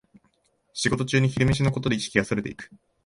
仕事中に昼飯のことで意識がそれていく